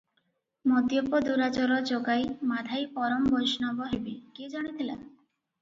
ମଦ୍ୟପ ଦୂରାଚର ଜଗାଇ ମାଧାଇ ପରମ ବୈଷ୍ଣବ ହେବେ, କିଏ ଜାଣିଥିଲା?